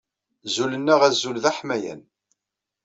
Zulen-aɣ azul d aḥmayan.